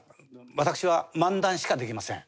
私は漫談しかできません。